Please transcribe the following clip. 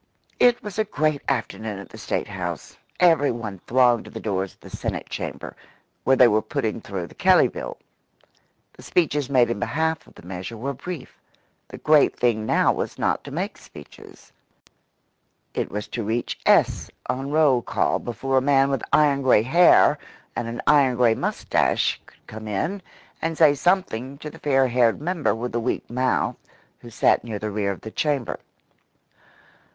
It was a great afternoon at the State house. Every one thronged to the doors of the Senate Chamber, where they were putting through the Kelley Bill. The speeches made in behalf of the measure were brief. The great thing now was not to make speeches; it was to reach "S" on roll call before a man with iron grey hair and an iron grey moustache could come in and say something to the fair haired member with the weak mouth who sat near the rear of the chamber.